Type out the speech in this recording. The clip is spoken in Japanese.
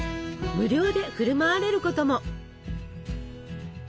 無料で振る舞われることも。